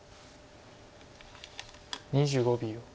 ２５秒。